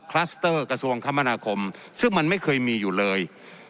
คลัสเตอร์กระทรวงคมนาคมซึ่งมันไม่เคยมีอยู่เลย